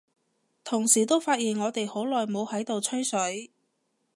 同時都發現我哋好耐冇喺度吹水，